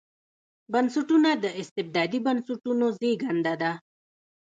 بنسټونه د استبدادي بنسټونو زېږنده ده.